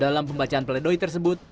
dalam pembacaan peledoi tersebut